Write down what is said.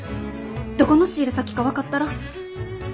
どこの仕入れ先か分かったら。